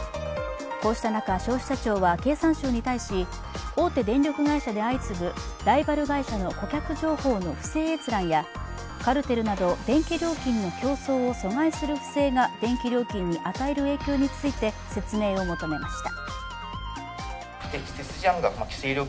こうした中、消費者庁は経産省に対し大手電力会社で相次ぐライバル会社の顧客情報の不正閲覧や、カルテルなど電気料金の競争を阻害する不正が電気料金に与える影響について説明を求めました。